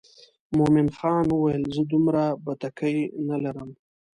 مومن خان وویل زه دومره بتکۍ نه لرم.